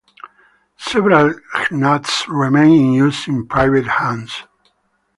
Several Gnats remain in use in private hands.